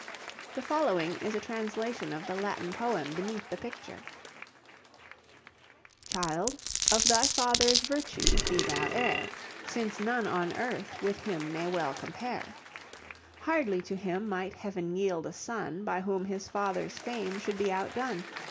The following is a translation of the Latin poem beneath the picture: Child, of thy Father's virtues be thou heir, Since none on earth with him may well compare; Hardly to him might Heaven yield a son By whom his father's fame should be out done.